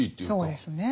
そうですね。